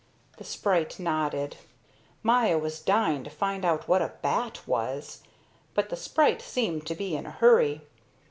The sprite nodded. Maya was dying to find out what a bat was, but the sprite seemed to be in a hurry.